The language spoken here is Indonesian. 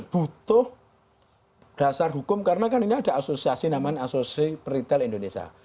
butuh dasar hukum karena kan ini ada asosiasi namanya asosiasi peritel indonesia